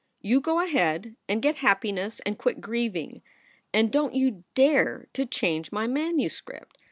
You go ahead and get happiness and quit grieving. And don t you dare to change my manuscript.